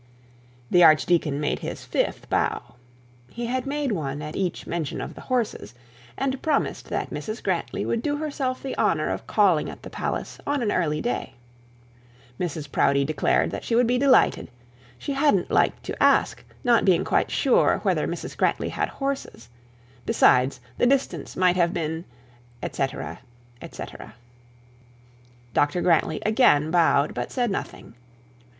The archdeacon made his fifth bow: he had made one at each mention of the horses; and promised that Mrs Grantly would do herself the honour of calling at the palace on an early day. Mrs Proudie declared that she would be delighted: she hadn't liked to ask, not being quite sure whether Mrs Grantly had horses; besides, the distance might have been &c, &c. Dr Grantly again bowed, but said nothing.